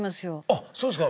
あっそうですか？